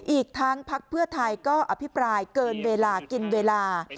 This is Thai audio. อีกทั้งพักเพื่อไทยก็อภิปรายเกินเวลากินเวลา